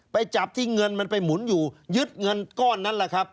ไปจับที่เงินมันไปหมุนอยู่ยึดเงินก้อนนั้นแหละครับ